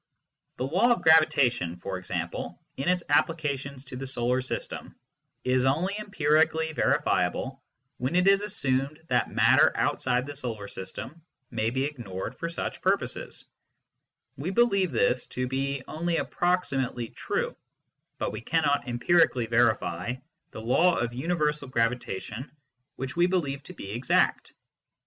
The law of gravitation, for example, in its applications to the solar system, is only empirically verifiable when it is assumed that matter outside the solar system may be ignored for such purposes ; we believe this to be only approximately true, but we cannot empirically verify the law of universal gravitation which we believe to be exact.